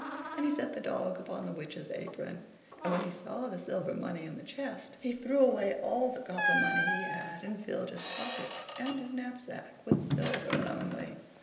And he set the dog upon the Witch's apron. And when he saw the silver money in the chest, he threw away all the copper money he had and filled his pockets and his knapsack with silver only.